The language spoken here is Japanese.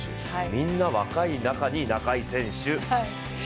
みんな若い中にナカイ選手。